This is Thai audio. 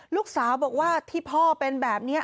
ลูกสาวบอกว่าที่พ่อเป็นแบบนี้